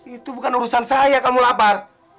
itu bukan urusan saya kamu lapar